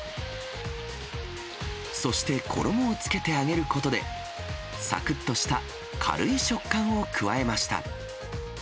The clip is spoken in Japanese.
そして衣をつけて揚げることで、さくっとした軽い食感を加えました。